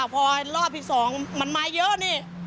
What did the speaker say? พอรอบที่๒มันมาเยอะนี่